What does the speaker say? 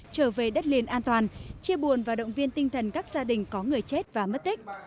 trở về đất liền an toàn chia buồn và động viên tinh thần các gia đình có người chết và mất tích